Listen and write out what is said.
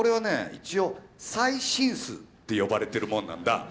一応「最新ス」って呼ばれてるものなんだ。